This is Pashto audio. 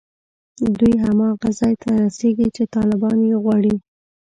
دوی هماغه ځای ته رسېږي چې طالبان یې غواړي